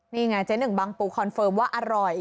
นี่ไงเจ๊หนึ่งบางปูคอนเฟิร์มว่าอร่อย